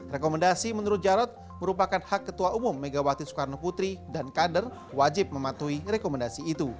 rekomendasi menurut jarod merupakan hak ketua umum megawati soekarno putri dan kader wajib mematuhi rekomendasi itu